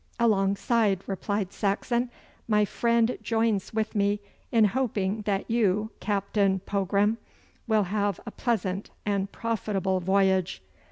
'Alongside,' replied Saxon; 'my friend joins with me in hoping that you, Captain Pogram, will have a pleasant and profitable voyage.